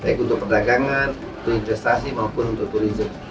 baik untuk perdagangan berinvestasi maupun untuk turisme